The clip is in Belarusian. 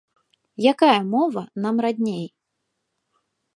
Якая мова нам радней?